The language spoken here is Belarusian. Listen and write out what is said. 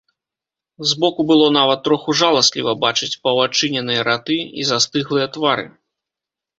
Збоку было нават троху жаласліва бачыць паўадчыненыя раты і застыглыя твары.